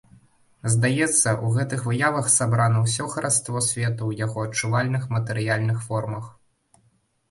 Здаецца, у гэтых выявах сабрана ўсё хараство свету ў яго адчувальных матэрыяльных формах.